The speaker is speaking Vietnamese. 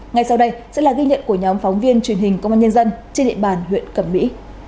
ngay sau đây sẽ là ghi nhận của nhóm phóng viên truyền hình công an nhân dân trên địa bàn huyện cẩm mỹ